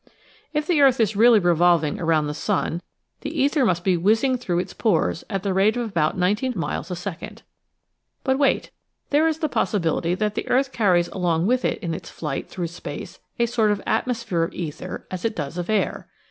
If the earth is really revolving around the sun the ether must be whizzing through its pores at the rate of about nineteen miles a second. But wait — there is the possibility that the earth car ries along with it in its flight through space a sort of atmosphere of ether as it does of air.